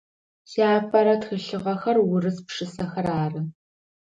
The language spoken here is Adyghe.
Сиапэрэ тхылъыгъэхэр урыс пшысэхэр ары.